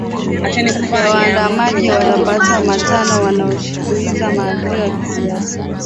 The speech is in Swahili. ya waandamanaji wapatao watano wanaoshinikiza mabadiliko ya kisiasa